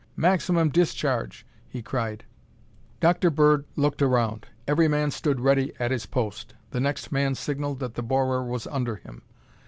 "Maximum discharge!" he cried. Dr. Bird looked around. Every man stood ready at his post. The next man signalled that the borer was under him.